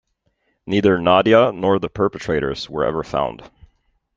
Neither Nadia nor the perpetrators were ever found.